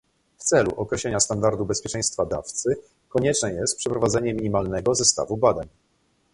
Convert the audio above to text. W celu określenia standardu bezpieczeństwa dawcy konieczne jest przeprowadzenie minimalnego zestawu badań